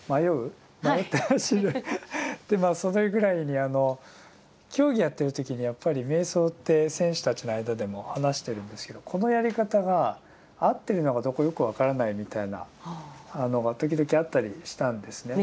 でまあそれぐらいに競技やってる時にやっぱり瞑想って選手たちの間でも話してるんですけどこのやり方が合ってるのかどうかよく分からないみたいなのが時々あったりしたんですね。